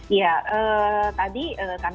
iya tadi terdapat